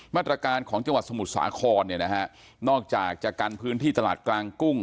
มาตรการของจังหวัดสมุทรสาครเนี่ยนะฮะนอกจากจะกันพื้นที่ตลาดกลางกุ้ง